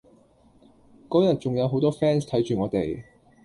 嗰日仲有好多 fans 睇住我哋